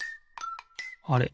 あれ？